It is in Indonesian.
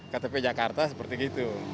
ktp jakarta seperti itu